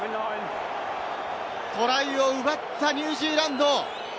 トライを奪ったニュージーランド！